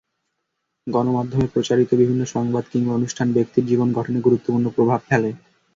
গণমাধ্যমে প্রচারিত বিভিন্ন সংবাদ কিংবা অনুষ্ঠান ব্যক্তির জীবনগঠনে গুরুত্বপূর্ণ প্রভাব ফেলে।